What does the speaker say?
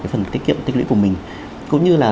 phần tiết kiệm tích lũy của mình cũng như là